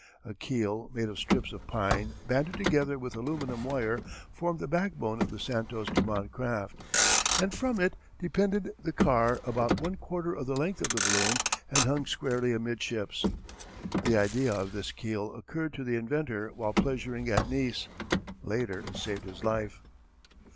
A keel made of strips of pine banded together with aluminum wire formed the backbone of the Santos Dumont craft, and from it depended the car about one quarter of the length of the balloon and hung squarely amidships. The idea of this keel occurred to the inventor while pleasuring at Nice. Later it saved his life.